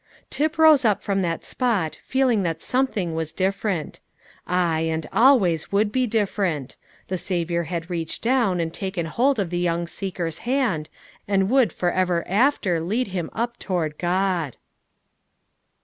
Tip rose up from that spot feeling that something was different. Ay, and always would be different; the Saviour had reached down and taken hold of the young seeker's hand, and would for ever after lead him up toward God.